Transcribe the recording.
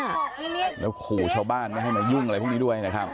แล้วขู่ชาวบ้านไม่ให้มายุ่งอะไรพวกนี้ด้วยนะครับ